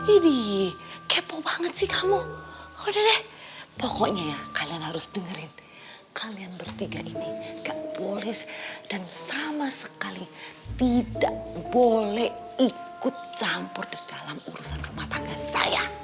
udah deh pokoknya ya kalian harus dengerin kalian bertiga ini gak boleh dan sama sekali tidak boleh ikut campur dalam urusan rumah tangga saya